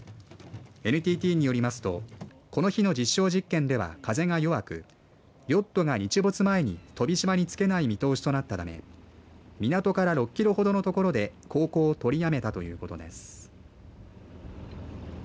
ＮＴＴによりますとこの日の実証実験では風が弱くヨットが日没前に飛島に着けない見通しとなったため港から６キロほどの所で航行を取りやめたということです。